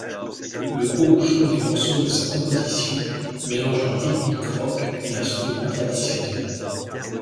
Le groupe joue des morceaux de sa composition, mélangeant rythmique rock et instruments traditionnels.